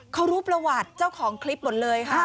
เขารู้ประวัติเจ้าของคลิปหมดเลยค่ะ